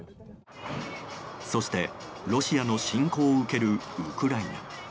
そして、ロシアの侵攻を受けるウクライナ。